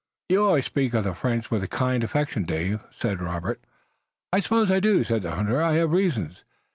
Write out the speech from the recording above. "You always speak of the French with a kind of affection, Dave," said Robert. "I suppose I do," said the hunter. "I have reasons."